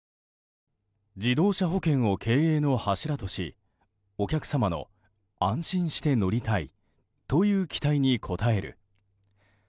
自動車保険を経営の柱としお客様の安心して乗りたいという期待に応える。